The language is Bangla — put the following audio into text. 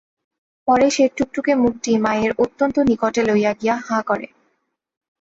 পরে সে টুকটুকে মুখটি মায়ের অত্যন্ত নিকটে লইয়া গিয়া হা করে।